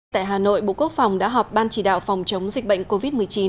tại hà nội bộ quốc phòng đã họp ban chỉ đạo phòng chống dịch bệnh covid một mươi chín